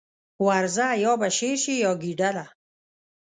ورځه! يا به شېر شې يا ګيدړه.